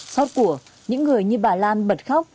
sót của những người như bà lan bật khóc